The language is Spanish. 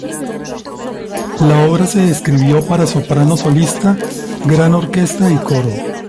La obra se escribió para soprano solista, gran orquesta y coro.